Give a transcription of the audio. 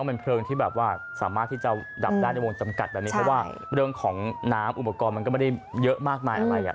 เป็นเพลิงที่แบบว่าสามารถที่จะดับได้ในวงจำกัดแบบนี้เพราะว่าเรื่องของน้ำอุปกรณ์มันก็ไม่ได้เยอะมากมายอะไรอ่ะ